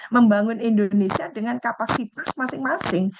membangun indonesia dengan kapasitas masing masing